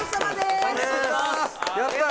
やったー！